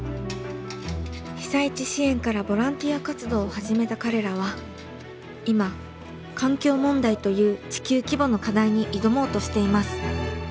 被災地支援からボランティア活動を始めた彼らは今環境問題という地球規模の課題に挑もうとしています。